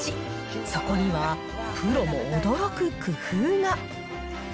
そこにはプロも驚く工夫が。